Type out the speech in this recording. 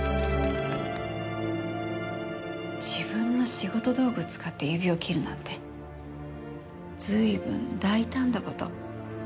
自分の仕事道具を使って指を切るなんて随分大胆だこと。